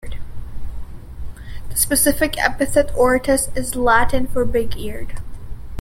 The specific epithet, "auritus," is Latin for big-eared.